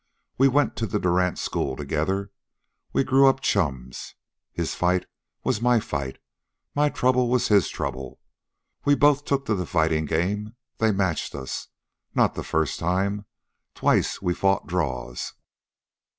We went to the Durant School together. We grew up chums. His fight was my fight. My trouble was his trouble. We both took to the fightin' game. They matched us. Not the first time. Twice we'd fought draws.